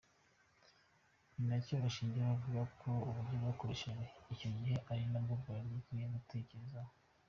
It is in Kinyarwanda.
Ni nacyo ashingiraho avuga ko uburyo bwakoreshejwe icyo gihe ari nabwo Bralirwa ikwiye gutekerezaho.